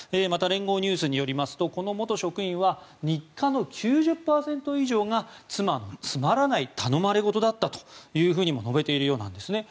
また連合ニュースによりますとこの元職員は日課の９０％以上が妻のつまらない頼まれ事だったとも述べているようなんです。